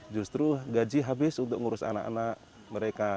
justru gaji habis untuk ngurus anak anak mereka